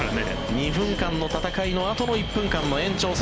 ２分間の戦いのあとの１分間の延長戦。